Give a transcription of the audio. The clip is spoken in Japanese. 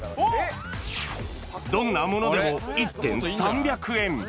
どんなものでも１点３００円。